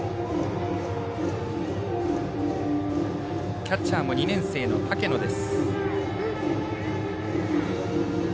キャッチャーは２年生の竹野です。